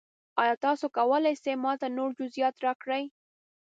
ایا تاسو کولی شئ ما ته نور جزئیات راکړئ؟